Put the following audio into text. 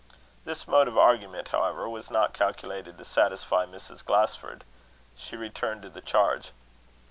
This mode of argument, however, was not calculated to satisfy Mrs. Glasford. She returned to the charge.